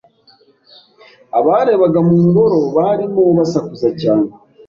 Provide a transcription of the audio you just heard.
Abarebaga mu ngoro barimo basakuza cyane.